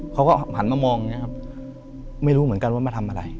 เขาก็หันมามองอย่างนี้ครับไม่รู้เหมือนกันว่ามาทำอะไร